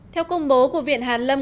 theo công bố của viện hàn lâm